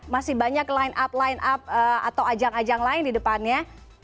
masih banyak line up line up atau ajang ajang lain di depannya